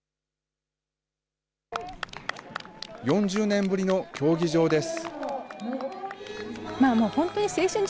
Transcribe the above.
４０年ぶりの競技場です。